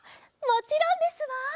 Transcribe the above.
もちろんですわ！